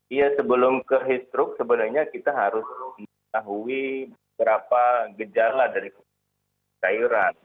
iya sebelum ke heat stroke sebenarnya kita harus mengetahui berapa gejala dari cairan